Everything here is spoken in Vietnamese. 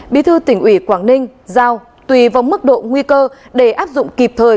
bí thư tỉnh ủy quảng ninh giao tùy vào mức độ nguy cơ để áp dụng kịp thời